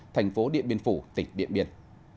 thành phố điện biên phủ tỉnh điện biên